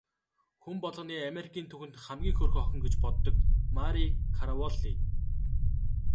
Хүн болгоны Америкийн түүхэн дэх хамгийн хөөрхөн охин гэж боддог Мари Караволли.